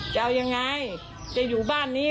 จะอยู่เนี่ยผมจะอยู่นี่